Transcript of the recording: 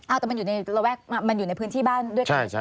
เอาแต่มันอยู่ในระแวกมันอยู่ในพื้นที่บ้านด้วยกัน